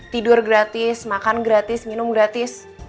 tidur gratis makan gratis minum gratis